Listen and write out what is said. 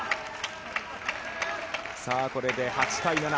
さあこれで８対７。